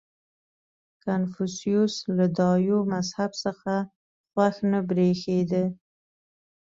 • کنفوسیوس له دایو مذهب څخه خوښ نه برېښېده.